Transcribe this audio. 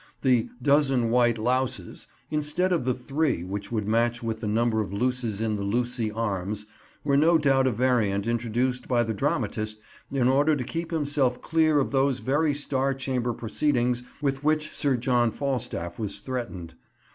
The "dozen white louses," instead of the three which would match with the number of luces in the Lucy arms, were no doubt a variant introduced by the dramatist in order to keep himself clear of those very Star Chamber proceedings with which Sir John Falstaff was threatened.